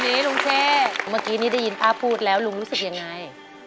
วันนี้ลุงเช่เมื่อกี้นี่ได้ยินป้าพูดแล้วลุงรู้สึกยังไง